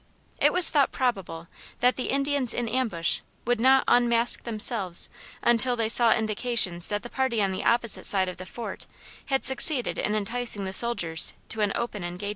It was thought probable that the Indians in ambush would not unmask themselves until they saw indications that the party on the opposite side of the fort had succeeded in enticing the soldiers to an open engagement.